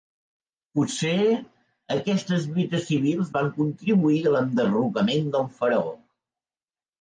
Potser, aquestes lluites civils van contribuir a l'enderrocament del faraó.